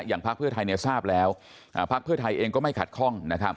อย่างพักเพื่อไทยเนี่ยทราบแล้วพักเพื่อไทยเองก็ไม่ขัดคล่อง